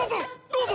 どうぞ！